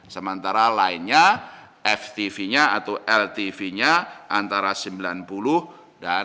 sementara lainnya ftp nya atau ltp nya antara sembilan puluh dan sembilan puluh lima persen